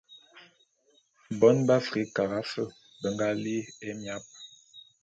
Bone be Afrikara fe be nga li'i émiap.